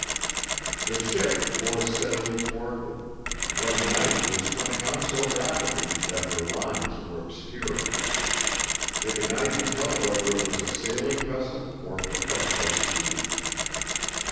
The ship bore steadily toward them, but night was coming on so rapidly that her lines were obscured. They could not even tell whether it was a sailing vessel or propelled by steam.